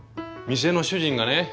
店の主人がね